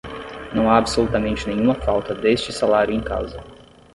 Não há absolutamente nenhuma falta deste salário em casa.